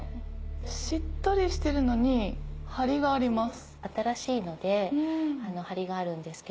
しっとりしてるのにハリがあります。